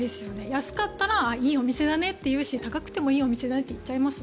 安かったらいいお店だねと言うし高くても、いいお店だねって言っちゃいます。